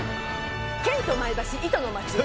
県都前橋生糸の町。